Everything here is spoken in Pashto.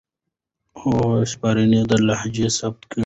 هغوی را وسپړئ، دا لهجې ثبت کړئ